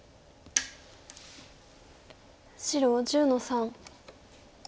白１０の三。